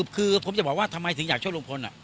คือผมจะบอกว่าทำไมถึงอยากช่วยลุงพล